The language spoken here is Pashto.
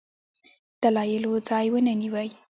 دلایلو ځای ونه نیوی.